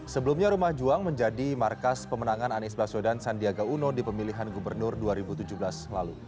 sebelumnya rumah juang menjadi markas pemenangan anies baswedan sandiaga uno di pemilihan gubernur dua ribu tujuh belas lalu